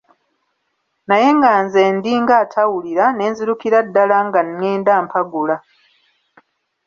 Naye nga nze ndi ng'atawulira ne nzirukira ddala nga nnenda mpagula.